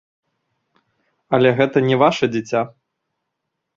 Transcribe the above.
Але гэта не ваша дзіця.